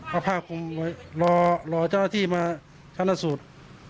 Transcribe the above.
หัวผ้าคงไว้รอเจ้าหน้าที่มาชั้นอาสุทธิ์